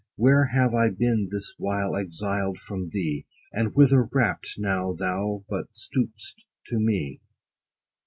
Where have I been this while exiled from thee, And whither rapt, now thou but stoop'st to me